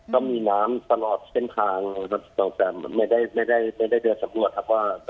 ก็มีน้ำตลอดเต้นทางแต่มันไม่ได้ไม่ได้ไม่ได้เดินสำรวจครับว่า